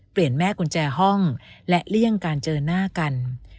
แม่กุญแจห้องและเลี่ยงการเจอหน้ากัน